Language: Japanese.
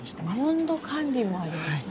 温度管理もあるんですね。